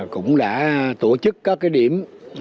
cũng đã tổ chức các điểm